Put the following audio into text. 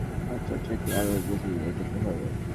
এসব সুবিধা কাজে লাগিয়ে ব্যান্ড চর্চাকে আরও এগিয়ে নিয়ে যেতে হবে।